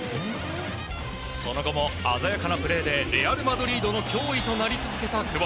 その後も鮮やかなプレーでレアル・マドリードの脅威となり続けた久保。